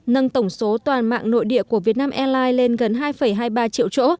nâng tổng số toàn mạng nội địa của việt nam airlines lên gần hai hai mươi ba triệu chỗ